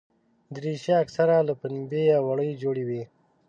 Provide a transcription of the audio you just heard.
دریشي اکثره له پنبې یا وړۍ جوړه وي.